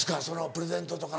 プレゼントとか。